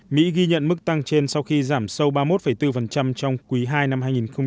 mỹ ghi nhận mức tăng trên sau khi giảm sâu ba mươi một bốn trong quý ii năm hai nghìn hai mươi